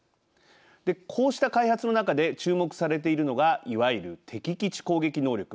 こうした開発の中で注目されているのがいわゆる敵基地攻撃能力。